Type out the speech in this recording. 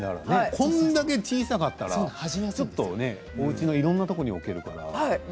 これだけ小さかったら、ちょっとおうちのいろんなところに置けるから。